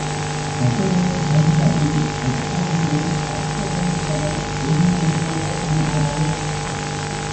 கட்டுரையைப் படித்தபின், அக்கோயிலில் பார்க்க வேண்டியவை என்ன என்னவோ இருக்கிறதே!